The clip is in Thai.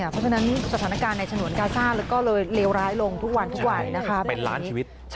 เพราะฉะนั้นสถานการณ์ในฉนวนกาซ่าเราก็เลยเลวร้ายลงทุกวันทุกวัยนะครับ